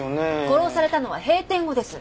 殺されたのは閉店後です。